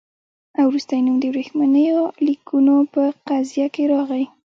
او وروسته یې نوم د ورېښمینو لیکونو په قضیه کې راغی.